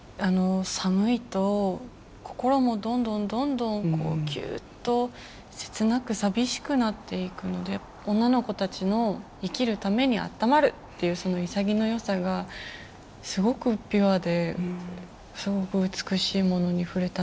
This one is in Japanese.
寒いと心もどんどんどんどんキュッと切なく寂しくなっていくので女の子たちの「生きるためにあったまる！」っていうそのいさぎのよさがすごくピュアですごく美しいものに触れたなっていう。